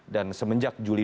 dan semenjak jualan